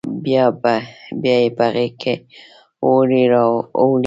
بیا یې په غیږ کې اړوي را اوړي